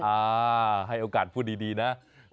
ให้โอกาสพูดดีนะ